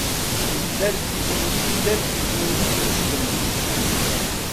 دەردی دووری... دەردی دووری کوشتمی